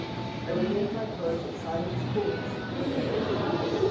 I regained my courage at sight of his coolness, and listened.